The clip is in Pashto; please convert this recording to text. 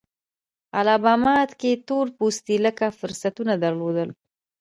الاباما کې تور پوستي لږ فرصتونه درلودل.